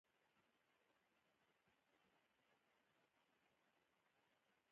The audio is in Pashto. چار مغز د افغانانو د فرهنګي پیژندنې برخه ده.